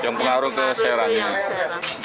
yang pengaruh ke serang